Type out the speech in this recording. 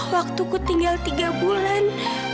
waktuku tinggal tiga bulan